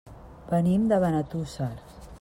Venim de Benetússer.